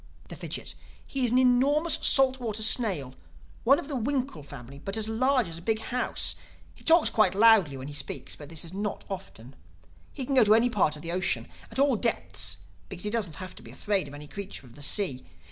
The Fidgit: "He is an enormous salt water snail, one of the winkle family, but as large as a big house. He talks quite loudly—when he speaks, but this is not often. He can go to any part of the ocean, at all depths because he doesn't have to be afraid of any creature in the sea.